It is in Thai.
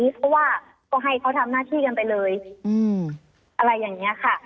เพราะว่าก็ให้เขาทำหน้าที่กันไปเลยอะไรอย่างนี้ค่ะ